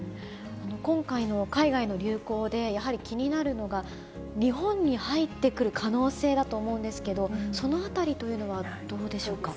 今回の海外の流行で、やはり気になるのが、日本に入ってくる可能性だと思うんですけれども、そのあたりというのはどうでしょうか。